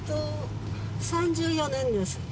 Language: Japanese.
３４年です。